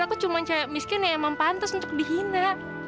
aku cuma cewek miskin yang emang pantas untuk dihina